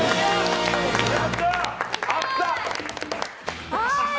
やったー！